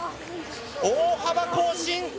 大幅更新！